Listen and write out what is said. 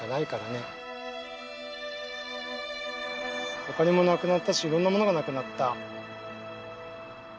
お金もなくなったしいろんなものがなくなった。